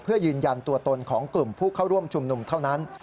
เพื่อยืนยันตัวตนของกลุ่มผู้เข้าร่วมชุมนุมเท่านั้น